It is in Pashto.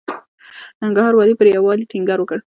د ننګرهار والي پر يووالي ټينګار وکړ.